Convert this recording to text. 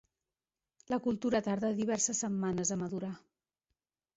La cultura tarda diverses setmanes a madurar.